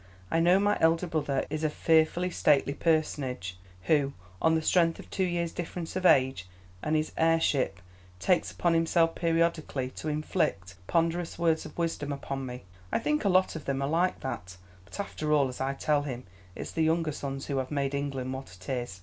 I know my elder brother is a fearfully stately personage, who, on the strength of two years' difference of age, and his heirship, takes upon himself periodically to inflict ponderous words of wisdom upon me. I think a lot of them are like that; but after all, as I tell him, it's the younger sons who have made England what it is.